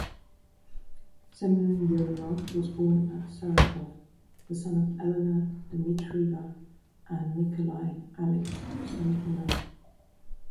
Semyonov was born in Saratov, the son of Elena Dmitrieva and Nikolai Alex Semyonov.